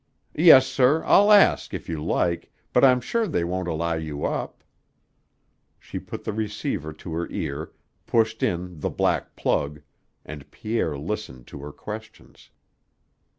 Yes, sir. I'll ask, if you like, but I'm sure they won't allow you up." She put the receiver to her ear, pushed in the black plug, and Pierre listened to her questions.